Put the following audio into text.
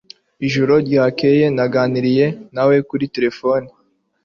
Ijoro ryakeye naganiriye nawe kuri terefone